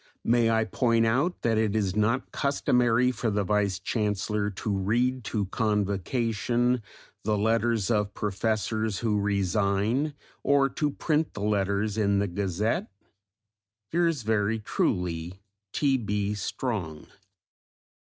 May I point out that it is not customary for the Vice Chancellor to read to Convocation the letters of Professors who resign, or to print the letters in the Gazette? Yours very truly, T. B. STRONG.